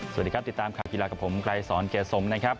สวัสดีครับติดตามข่าวกีฬากับผมไกรสอนเกษสมนะครับ